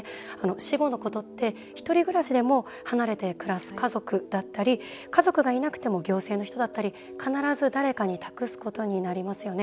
死後のことってひとり暮らしでも離れて暮らす家族だったり、家族がいなくても行政の人だったり必ず誰かに託すことになりますよね。